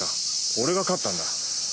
俺が勝ったんだ。